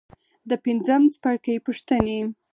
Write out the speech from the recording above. د پنځم څپرکي پوښتنې.